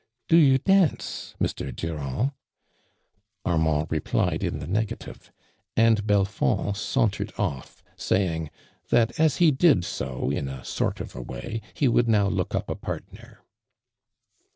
'• Do you dance, Mr. DurandV" Armand replied in the negative, and Bel I'ond hauntoivd ott", saying: " that as he did o, in a sort ol a way, he would now look up a partner."